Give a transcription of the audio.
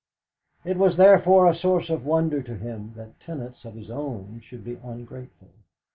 It was, therefore, a source of wonder to him that tenants of his own should be ungrateful.